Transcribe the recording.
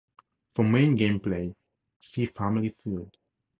For main game play, see Family Feud.